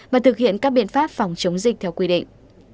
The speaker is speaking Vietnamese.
và thực hiện các biện pháp phòng chống dịch theo quy định